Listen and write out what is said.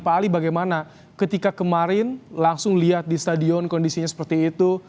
pak ali bagaimana ketika kemarin langsung lihat di stadion kondisinya seperti itu